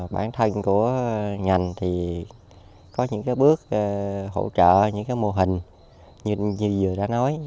bản thân của ngành có những bước hỗ trợ những mô hình như vừa đã nói